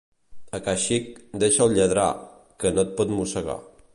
A ca xic, deixa'l lladrar, que no et pot mossegar.